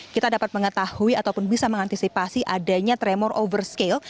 kita dapat mengetahui ataupun bisa mengantisipasi adanya tremor over scale